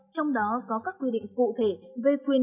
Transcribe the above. trong đó có các quy định cụ thể về quyền